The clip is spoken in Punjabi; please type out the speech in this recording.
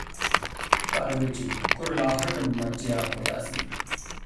ਘਰ ਵਿੱਚ ਕੁਰਲਾਹਟ ਮੱਚਿਆ ਹੋਇਆ ਸੀ